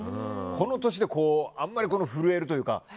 この年であんまり震えるというか。